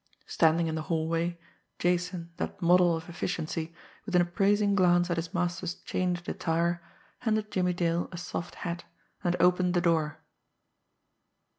Standing in the hallway, Jason, that model of efficiency, with an appraising glance at his master's changed attire, handed Jimmie Dale a soft hat and opened the door.